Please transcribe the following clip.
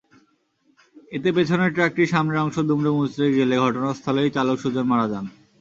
এতে পেছনের ট্রাকটির সামনের অংশ দুমড়ে-মুচড়ে গেলে ঘটনাস্থলেই চালক সুজন মারা যান।